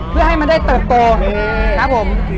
เพื่อให้มันได้เติบโตครับผม